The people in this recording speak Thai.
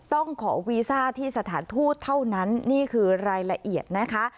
ต้องขอวีซ่าที่สถานทูตเท่านั้นนี่คือรายละเอียดนะคะ